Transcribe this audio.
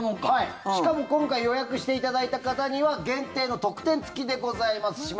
しかも今回予約していただいた方には限定の特典付きでございます。